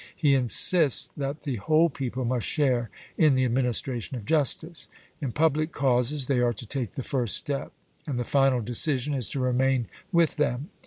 He insists that the whole people must share in the administration of justice in public causes they are to take the first step, and the final decision is to remain with them.